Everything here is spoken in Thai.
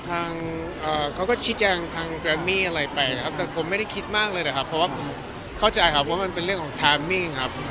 อิ้มวิจัยมากเลยนะครับเพราะว่าเข้าใจมากกว่ามันเป็นเรื่องทอมมิท์ครับ